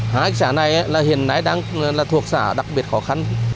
hai xã này hiện nay đang thuộc xã đặc biệt khó khăn